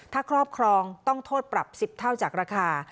ถ้าครอบครองต้องโทษปรับ๑๐เท่าจากราคา